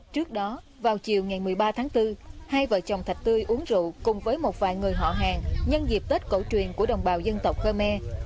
trước đó vào chiều ngày một mươi ba tháng bốn hai vợ chồng thạch tươi uống rượu cùng với một vài người họ hàng nhân dịp tết cổ truyền của đồng bào dân tộc khmer